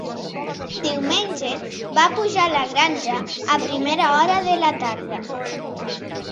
Diumenge va pujar a la granja a primera hora de la tarda.